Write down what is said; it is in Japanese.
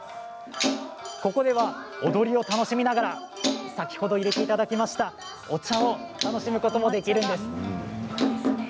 ここでは踊りを楽しみながら先ほどいれていただいたお茶を楽しむことができるんです。